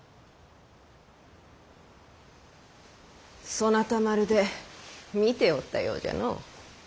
そなたまるで見ておったようじゃの。